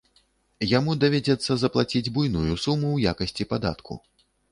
Яму давядзецца заплаціць буйную суму ў якасці падатку.